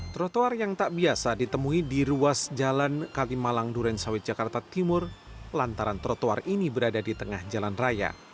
trotoar yang tak biasa ditemui di ruas jalan kalimalang durensawit jakarta timur lantaran trotoar ini berada di tengah jalan raya